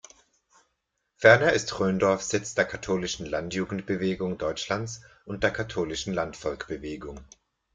Ferner ist Rhöndorf Sitz der Katholischen Landjugendbewegung Deutschlands und der Katholischen Landvolkbewegung.